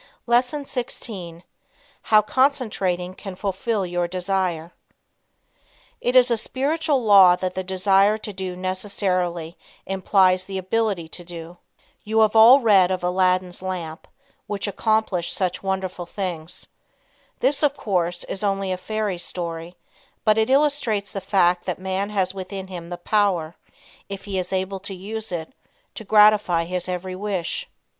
LESSON XVI. HOW CONCENTRATION CAN FULFILL YOUR DESIRE "It is a spiritual law that the desire to do necessarily implies the ability to do." You have all read of "Aladdin's Lamp," which accomplished such wonderful things. This, of course, is only a fairy story, but it illustrates the fact that man has within him the power, if he is able to use it, to gratify his every wish.